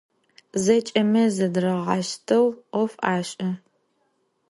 Zeç'emi zedırağaşşteu 'of aş'e.